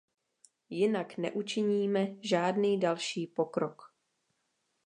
Jinak neučiníme žádný další pokrok.